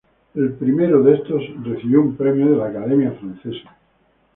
El primero de estos recibió un premio de la Academia Francesa.